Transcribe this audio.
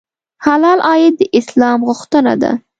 حلال عاید د اسلام غوښتنه ده.